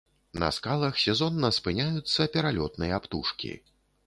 На скалах сезонна спыняюцца пералётныя птушкі.